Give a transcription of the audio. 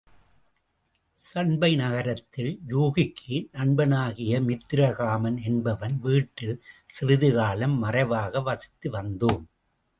சண்பை நகரத்தில் யூகிக்கு நண்பனாகிய மித்திரகாமன் என்பவன் வீட்டில் சிறிது காலம் மறைவாக வசித்து வந்தோம்.